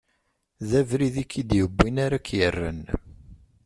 D abrid i k-id-iwwin ara k-irren.